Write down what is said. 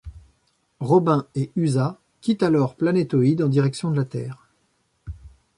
Robin et Usa quittent alors Planétoïd en direction de la Terre.